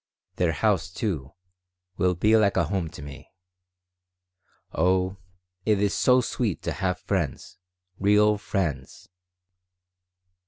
Their house, too, will be like a home to me. Oh, it is so sweet to have friends, real friends."